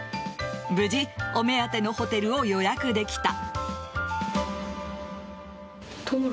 無事、お目当てのホテルを予約できた。